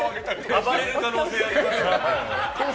暴れる可能性ありますよ。